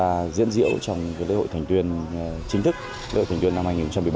tham gia diễn diệu trong lễ hội thành tuyên chính thức lễ hội thành tuyên năm hai nghìn một mươi bảy